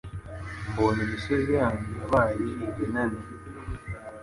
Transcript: Mbonye imisozi yanyu Yabaye ibinani,